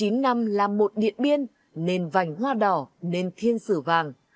chín năm là một điện biên nên vành hoa đỏ nên thiên sử vàng